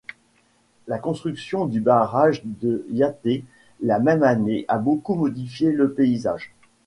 La construction du barrage de Yaté la même année a beaucoup modifiée le paysage.